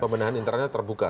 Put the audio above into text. pembenahan internalnya terbuka